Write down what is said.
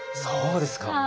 そうですか。